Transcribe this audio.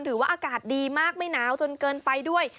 อากาศดีมากไม่หนาวจนเกินไปด้วย